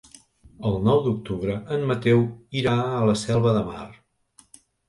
El nou d'octubre en Mateu irà a la Selva de Mar.